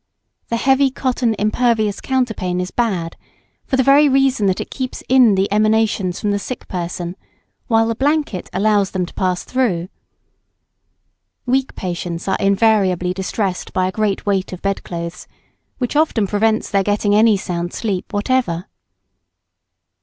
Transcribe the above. The heavy cotton impervious counterpane is bad, for the very reason that it keeps in the emanations from the sick person, while the blanket allows them to pass through. Weak patients are invariably distressed by a great weight of bed clothes, which often prevents their getting any sound sleep whatever.